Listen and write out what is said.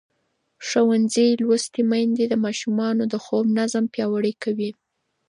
ښوونځې لوستې میندې د ماشومانو د خوب نظم پیاوړی کوي.